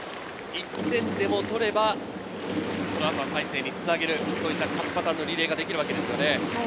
１点でも取れば、このあとは大勢につなげる、そういった勝ちパターンのリレーができるわけですね。